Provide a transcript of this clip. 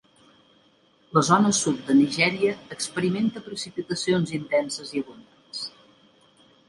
La zona sud de Nigèria experimenta precipitacions intenses i abundants.